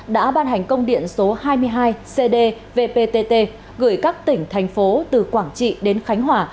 đã ban hành công điện số hai mươi hai cd vptt gửi các tỉnh thành phố từ quảng trị đến khánh hòa